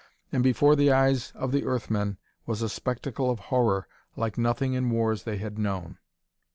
And before the eyes of the Earth men was a spectacle of horror like nothing in wars they had known.